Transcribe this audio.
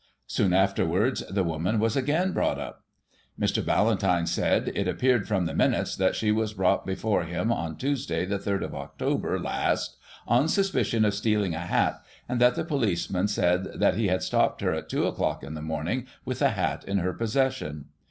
Soon afterwards, the woman was again brought up. Mr. Ballantyne said, it appeared from the minutes that she was brought before him on Tuesday, the 3rd of October last, on suspicion of stealing a hat, and that the policeman said that he had stopped her at two o'clock in the morning with the hat in her possession.